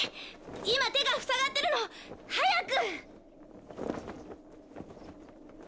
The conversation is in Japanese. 今、手が塞がってるの、早く！